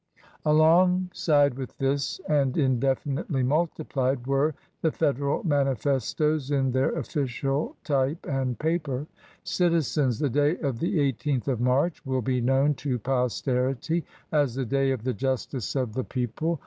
Alongside with this, and indefinitely multiplied, were the Federal manifestos in their official type and paper — "Citizens! the day of the i8th of March will be known to posterity as the day of the justice of the PAST THE CHURCH OF ST. ROCH. 239 >eople